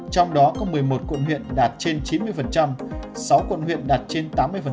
trong đó có một mươi một quận huyện đạt trên chín mươi sáu quận huyện đạt trên tám mươi